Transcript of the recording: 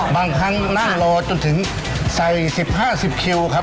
บางครั้งนั่งรอจนถึงสาย๑๕ครับ